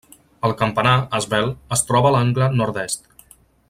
El campanar, esvelt, es troba a l'angle nord-est.